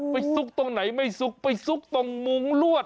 ซุกตรงไหนไม่ซุกไปซุกตรงมุ้งลวด